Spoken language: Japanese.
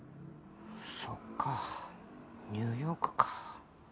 そっかニューヨークか。